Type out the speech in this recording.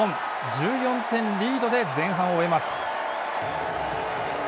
１４点リードで前半を終えます。